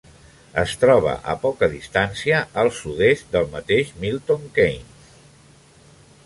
Es troba a poca distància al sud-est del mateix Milton Keynes.